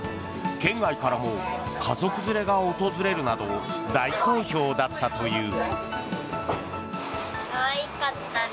県外からも家族連れが訪れるなど大好評だったという。